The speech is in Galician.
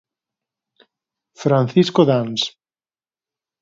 Francisco Dans.